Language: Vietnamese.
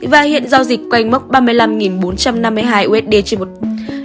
và hiện giao dịch quanh mốc ba mươi năm bốn trăm năm mươi hai usd trên một